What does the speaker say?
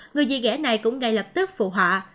người dì ghẻ này cũng ngay lập tức phụ họa